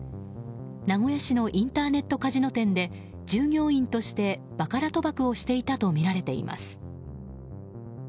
名古屋市のインターネットカジノ店で従業員としてバカラ賭博をしていたとみられています。